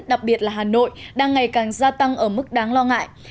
đặc biệt là hà nội đang ngày càng gia tăng ở mức đáng lo ngại